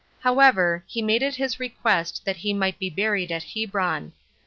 However, he made it his request that he might be buried at Hebron.